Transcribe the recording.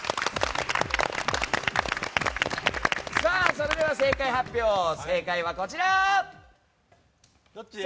それでは正解発表こちら！